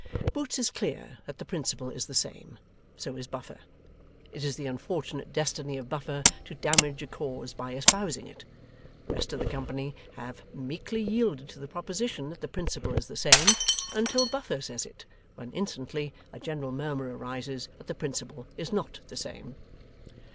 Boots is clear that the principle is the same. So is Buffer. It is the unfortunate destiny of Buffer to damage a cause by espousing it. The rest of the company have meekly yielded to the proposition that the principle is the same, until Buffer says it is; when instantly a general murmur arises that the principle is not the same.